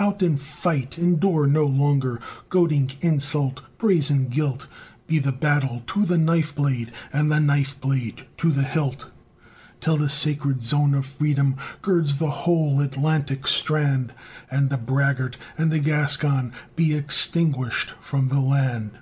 Out and fight! Endure no longer Goading insult, brazen guilt; Be the battle to the knife blade, And the knife blade to the hilt, Till the sacred zone of Freedom Girds the whole Atlantic strand, And the braggart and the Gascon Be extinguished from the land.